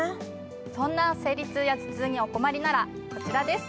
そんな生理痛や頭痛にお困りならこちらです。